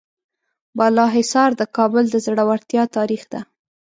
بالاحصار د کابل د زړورتیا تاریخ ده.